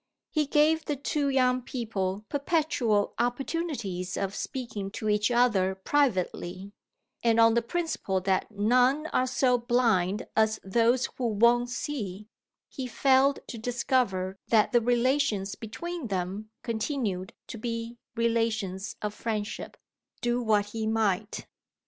He gave the two young people perpetual opportunities of speaking to each other privately; and, on the principle that none are so blind as those who won't see, he failed to discover that the relations between them continued to be relations of friendship, do what he might.